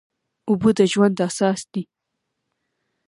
اوبه د ژوند اساس دي.